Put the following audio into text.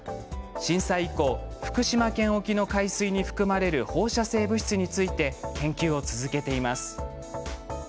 震災以降、福島県沖の海水に含まれる放射性物質について研究を続けています。